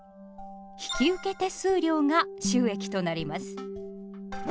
引受手数料が収益となります。